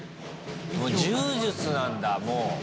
もう柔術なんだ、もう。